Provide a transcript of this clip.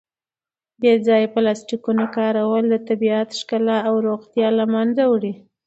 د بې ځایه پلاسټیکونو کارول د طبیعت ښکلا او روغتیا له منځه وړي.